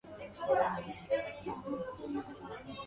He joined the Dutch airforce and became an airforce pilot.